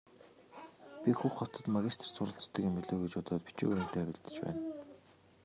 Би Хөх хотод магистрт суралцдаг юм билүү гэж бодоод бичиг баримтаа бэлдэж байна.